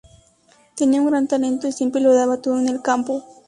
Tenía un gran talento y siempre lo daba todo en el campo.